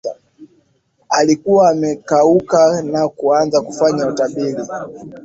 alikuwa amekauka na akaanza kufanya utabiri